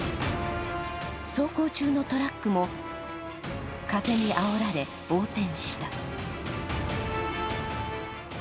走行中のトラックも風にあおられ、横転した。